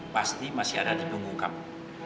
pasti masih ada di punggung kamu